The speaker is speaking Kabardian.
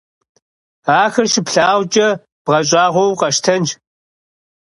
Ахэр щыплъагъукӀэ бгъэщӀагъуэу укъэщтэнщ!